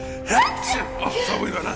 寒いわな。